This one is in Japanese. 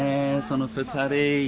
その２人。